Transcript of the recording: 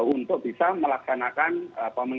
untuk bisa melaksanakan pemimpinan